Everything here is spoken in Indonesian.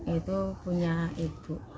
itu punya ibu